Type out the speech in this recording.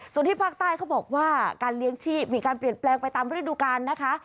ส่วนที่ภาคใต้เขาบอกว่าการเลี้ยงชีพมีการเปลี่ยนแปลงไปตามฤดูกาลนะคะ